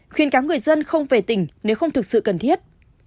khuyên cáo người dân không về tỉnh nếu không thực sự cần thiết